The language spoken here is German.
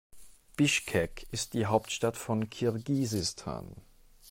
Bischkek ist die Hauptstadt von Kirgisistan.